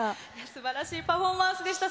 すばらしいパフォーマンスでした。